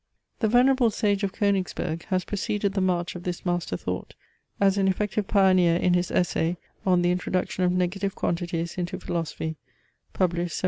The venerable sage of Koenigsberg has preceded the march of this master thought as an effective pioneer in his essay on the introduction of negative quantities into philosophy, published 1763.